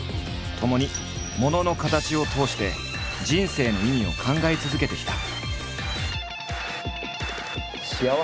ともにものの「形」を通して人生の意味を考え続けてきた。